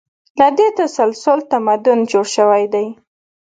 له دې تسلسل تمدن جوړ شوی دی.